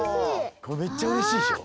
めっちゃうれしいでしょ。